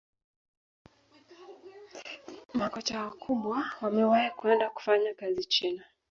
makocha wakubwa wamewahi kwenda kufanya kazi china